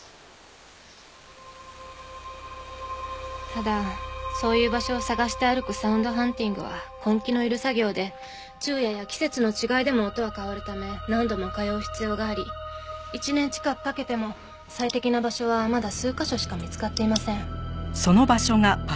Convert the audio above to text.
ただそういう場所を探して歩くサウンドハンティングは根気のいる作業で昼夜や季節の違いでも音は変わるため何度も通う必要があり１年近くかけても最適な場所はまだ数カ所しか見つかっていません。